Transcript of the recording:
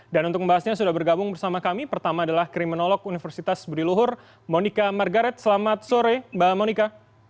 dan untuk membahasnya sudah bergabung bersama kami pertama adalah kriminolog universitas budiluhur monika margaret selamat sore mbak monika